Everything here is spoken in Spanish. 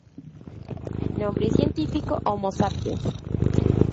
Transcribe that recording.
Nombre científico: Homo sapiens.